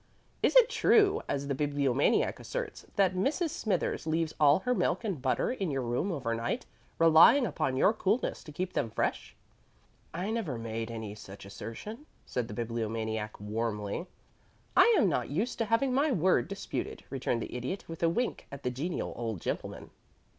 Is it true, as the Bibliomaniac asserts, that Mrs. Smithers leaves all her milk and butter in your room overnight, relying upon your coolness to keep them fresh?" "I never made any such assertion," said the Bibliomaniac, warmly. "I am not used to having my word disputed," returned the Idiot, with a wink at the genial old gentleman.